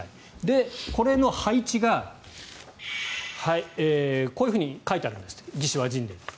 これの配置がこういうふうに書いてあるんですって「魏志倭人伝」に。